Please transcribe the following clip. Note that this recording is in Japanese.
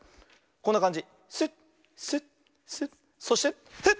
こんなかんじ。